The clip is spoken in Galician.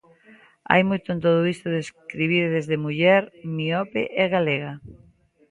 Hai moito en todo isto de escribir desde muller, miope e galega.